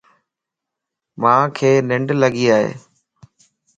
مانک ننڊ لڳي ائي